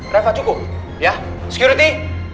reva cukup ya security